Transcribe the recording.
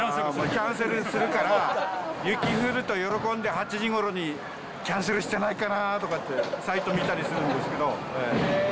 キャンセルするから、雪降ると喜んで８時ごろに、キャンセルしてないかなって、サイト見たりするんですけど。